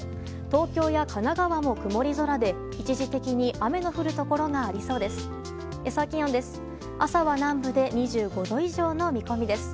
東京や神奈川も曇り空で一時的に雨の降るところがありそうです。